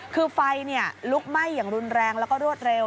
คือไฟลุกไหม้อย่างรุนแรงแล้วก็รวดเร็ว